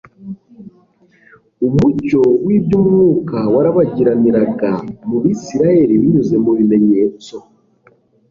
Umucyo w'iby'umwuka warabagiraniraga mu bisiraeli binyuze mu bimenyetso,